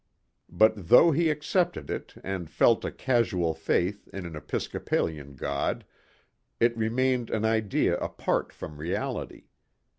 But though he accepted it and felt a casual faith in an Episcopalian God, it remained an idea apart from reality.